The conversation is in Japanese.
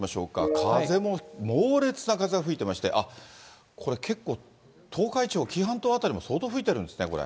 風も猛烈な風が吹いていまして、あっ、これ結構、東海地方、紀伊半島辺りも相当吹いているんですね、これ。